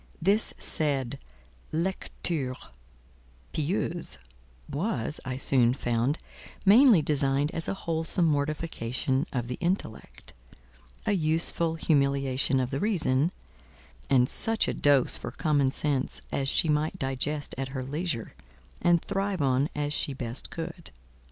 This said "lecture pieuse" was, I soon found, mainly designed as a wholesome mortification of the Intellect, a useful humiliation of the Reason; and such a dose for Common Sense as she might digest at her leisure, and thrive on as she best could.